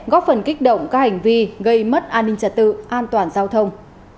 góp phần kích động các hành vi gây mất an ninh trật tự an toàn giao thông